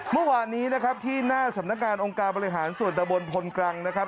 เมื่อวานนี้นะครับที่หน้าสำนักงานองค์การบริหารส่วนตะบนพลกรังนะครับ